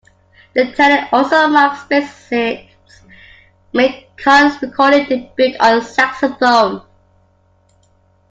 "The Tenant" also marks bassist Mick Karn's recording debut on saxophone.